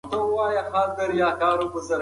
ټکنالوژي د ژوند ډېری چارې اسانه کړې دي.